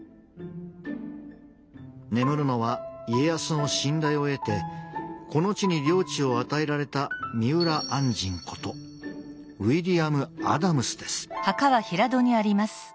眠るのは家康の信頼を得てこの地に領地を与えられた三浦按針ことウィリアム・アダムスです。